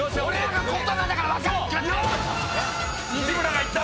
西村が言った？